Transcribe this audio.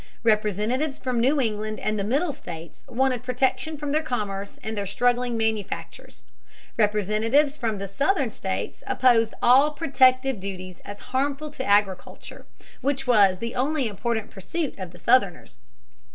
Representatives from New England and the Middle states wanted protection for their commerce and their struggling manufactures. Representatives from the Southern states opposed all protective duties as harmful to agriculture, which was the only important pursuit of the Southerners.